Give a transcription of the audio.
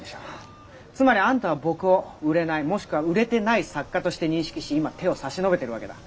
つまりあんたは僕を売れないもしくは売れてない作家として認識し今手を差し伸べてるわけだ。